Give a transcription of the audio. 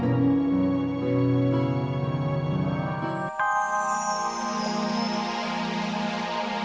terima kasih tuhan